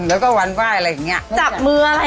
แปลว่านวดไงนะครับ